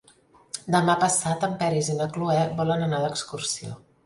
Demà passat en Peris i na Cloè volen anar d'excursió.